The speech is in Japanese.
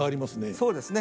そうですね。